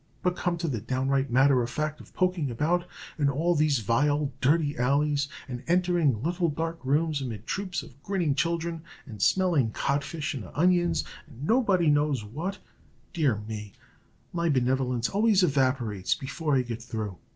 But come to the downright matter of fact of poking about in all these vile, dirty alleys, and entering little dark rooms, amid troops of grinning children, and smelling codfish and onions, and nobody knows what dear me, my benevolence always evaporates before I get through.